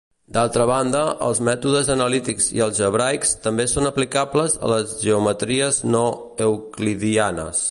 D'altra banda, els mètodes analítics i algebraics també són aplicables a les geometries no euclidianes.